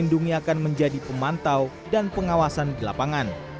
lindungi akan menjadi pemantau dan pengawasan di lapangan